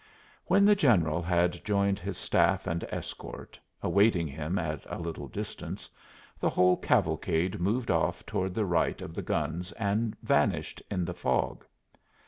When the general had joined his staff and escort, awaiting him at a little distance, the whole cavalcade moved off toward the right of the guns and vanished in the fog.